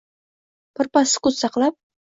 Birpas sukut saqlab